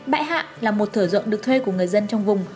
bãi hạ là một thở rộng được thuê của người dân trong vùng